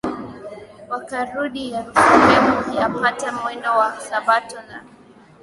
wakarudi Yerusalemu yapata mwendo wa sabato na